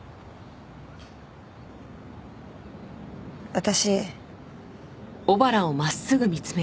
私。